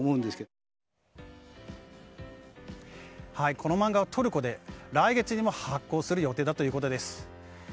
この漫画はトルコで来月にも発行する予定だということです。